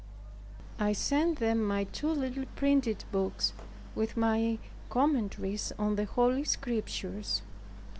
I sent them my two little printed books, with my commentaries on the Holy Scriptures.